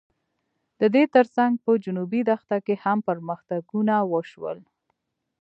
د دې تر څنګ په جنوبي دښته کې هم پرمختګونه وشول.